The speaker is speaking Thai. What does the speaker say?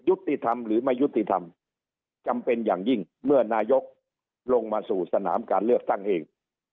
ยุติธรรมหรือไม่ยุติธรรมจำเป็นอย่างยิ่งเมื่อนายกลงมาสู่สนามการเลือกตั้งเอง